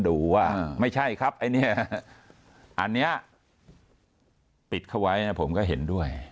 ดูว่าไม่ใช่ครับไอ้เนี่ยอันนี้ปิดเข้าไว้นะผมก็เห็นด้วย